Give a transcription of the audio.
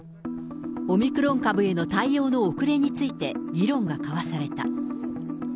オミクロン株への対応の遅れについて、議論が交わされた。